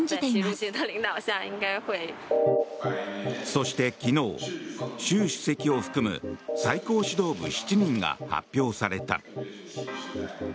そして、昨日習主席を含む最高指導部７人が発表された。